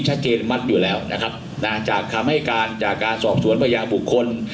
ชัดเจนมัดอยู่แล้วนะครับนะจากคำให้การจากการสอบสวนพยานบุคคล